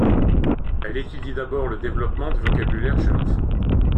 Elle étudie d'abord le développement du vocabulaire chez l'enfant.